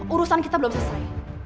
urusan kita belum selesai